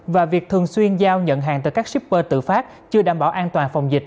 và việc thường xuyên giao nhận hàng từ các shipper tự phát chưa đảm bảo an toàn phòng dịch